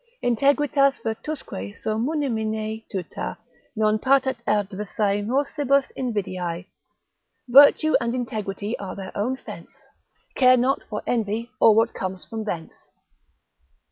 Integritas virtusque suo munimine tuta, Non patet adversae morsibus invidiae: Virtue and integrity are their own fence, Care not for envy or what comes from thence.